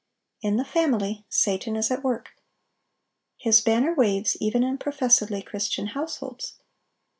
In the family, Satan is at work. His banner waves, even in professedly Christian households.